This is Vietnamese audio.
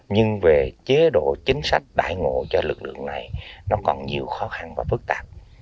nhưng về chế độ chính sách đại ngộ cho lực lượng này nó còn nhiều khó khăn và phức tạp